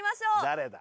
誰だ？